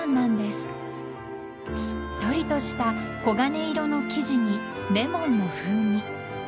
［しっとりとした黄金色の生地にレモンの風味］